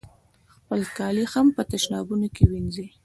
خپل کالي هم په تشنابونو کې وینځي.